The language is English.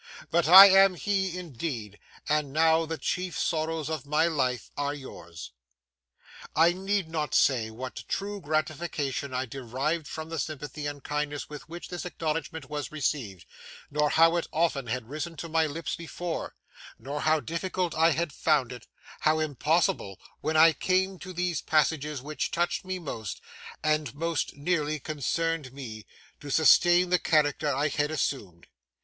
But I am he, indeed; and now the chief sorrows of my life are yours.' I need not say what true gratification I derived from the sympathy and kindness with which this acknowledgment was received; nor how often it had risen to my lips before; nor how difficult I had found it—how impossible, when I came to those passages which touched me most, and most nearly concerned me—to sustain the character I had assumed.